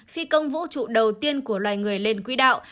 phi công vũ trụ đầu tiên của loài người lên quỹ đạo